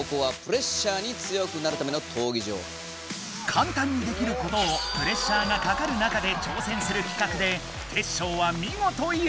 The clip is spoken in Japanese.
かんたんにできることをプレッシャーがかかる中で挑戦するきかくでテッショウはみごと優勝！